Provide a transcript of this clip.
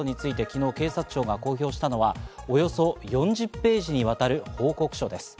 昨日、警察庁が公表したのはおよそ４０ページにわたる報告書です。